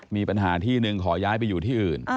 มีปัญหาที่หนึ่งขอย้ายไปอยู่ที่อื่น